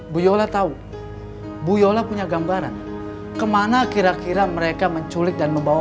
bu yola tahu bu yola punya gambaran kemana kira kira mereka menculik dan membawa